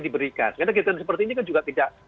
diberikan karena kegiatan seperti ini kan juga tidak